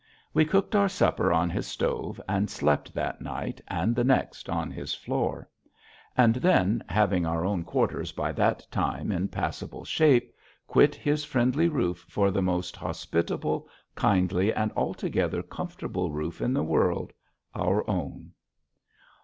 We cooked our supper on his stove and slept that night and the next on his floor; and then, having our own quarters by that time in passable shape, quit his friendly roof for the most hospitable, kindly, and altogether comfortable roof in the world our own.